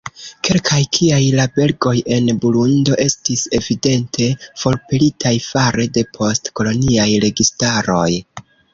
Kelkaj, kiaj la belgoj en Burundo, estis evidente forpelitaj fare de post-koloniaj registaroj.